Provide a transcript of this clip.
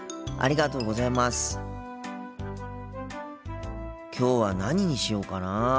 心の声きょうは何にしようかな。